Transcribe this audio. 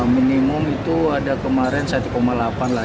minimum itu ada kemarin satu delapan lah